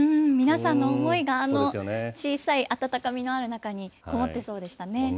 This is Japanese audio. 皆さんの思いが、あの小さい温かみのある中に込もってそうでしたね。